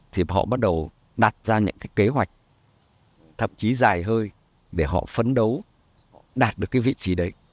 thì họ bắt đầu đặt ra những cái kế hoạch thậm chí dài hơi để họ phấn đấu đạt được cái vị trí đấy